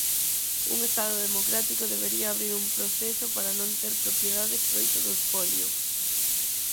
Un Estado democrático debería abrir un proceso para non ter propiedades froito do espolio.